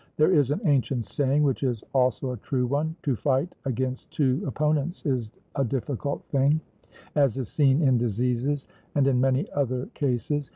There is an ancient saying, which is also a true one 'To fight against two opponents is a difficult thing,' as is seen in diseases and in many other cases.